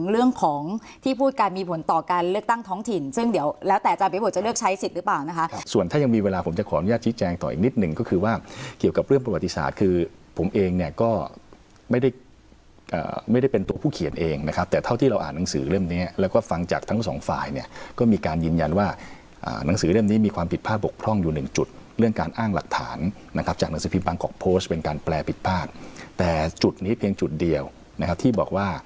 เองเนี้ยก็ไม่ได้อ่าไม่ได้เป็นตัวผู้เขียนเองนะครับแต่เท่าที่เราอ่านหนังสือเรื่องเนี้ยแล้วก็ฟังจากทั้งสองฝ่ายเนี้ยก็มีการยืนยันว่าอ่านังสือเรื่องนี้มีความผิดพลาดบกพร่องอยู่หนึ่งจุดเรื่องการอ้างหลักฐานนะครับจากหนังสือพิมพ์บางกอกโพสต์เป็นการแปลผิดพลาดแต่จุดนี้เพียงจุดเดียวนะครับที่บ